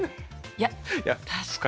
いや確かにね。